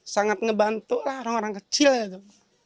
sangat ngebantu lah orang orang kecil itu